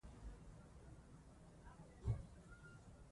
په ټوله نړۍ کې به وځلیږي.